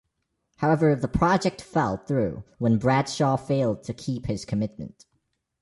However, the project fell through when Bradshaw failed to keep his commitment.